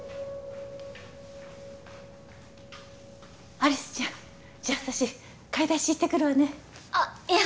有栖ちゃんじゃあ私買い出し行ってくるわねあっいや